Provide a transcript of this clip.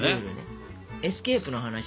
エスケープの話する？